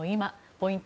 ポイント